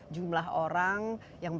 jumlah orang yang